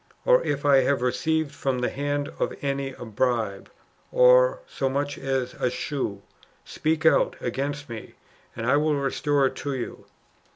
or if I have received from the hand of any a bribe or [so much as] a shoe, speak out against me, and I will restore it to you."